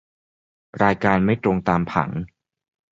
รายการไม่ตรงตามผัง